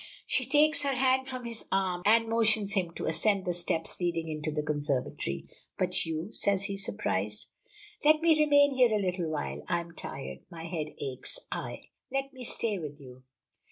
She takes her hand from his arm and motions him to ascend the steps leading into the conservatory. "But you?" says he, surprised. "Let me remain here a little while. I am tired. My head aches, I " "Let me stay with you."